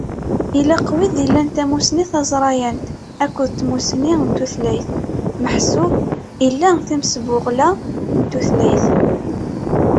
Ilaq wid ilan tamussni taẓrayant akked tmussni n tutlayt meḥsub ila timseɣbula n tutlayt.